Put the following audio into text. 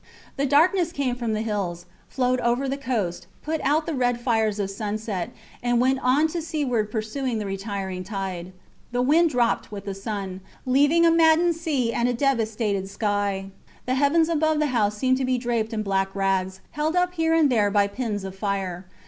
The darkness came from the hills, flowed over the coast, put out the red fires of sunset, and went on to seaward pursuing the retiring tide. The wind dropped with the sun, leaving a maddened sea and a devastated sky. The heavens above the house seemed to be draped in black rags, held up here and there by pins of fire.